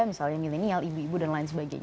misalnya milenial ibu ibu dan lain sebagainya